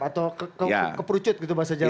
atau keprucut gitu bahasa jawa